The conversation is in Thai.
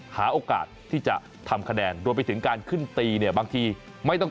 หาโอกาสที่จะทำคะแนนรวมไปถึงการขึ้นตีเนี่ยบางทีไม่ต้อง